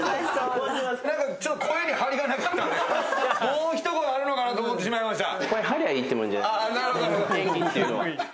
もうひと声あるのかなと思ってしまいました。